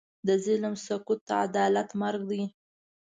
د ظلم سکوت، د عدالت مرګ دی.